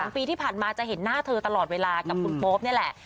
ปีที่ผ่านมาจะเห็นหน้าเธอตลอดเวลากับคุณโป๊ปนี่แหละ